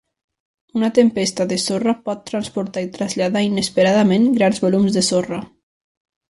Una tempesta de sorra pot transportar i traslladar inesperadament grans volums de sorra.